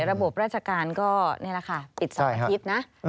ระบบราชการก็นี่แหละค่ะปิดเสาร์อาทิตย์นะ